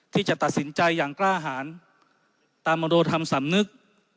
ที่จะตัดสินใจอย่างกล้าหารตามมอนโดทำสำนึก